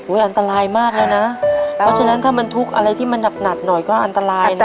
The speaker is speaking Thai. อันตรายมากแล้วนะเพราะฉะนั้นถ้ามันทุกข์อะไรที่มันหนักหน่อยก็อันตรายนะ